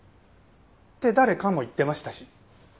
って誰かも言ってましたし。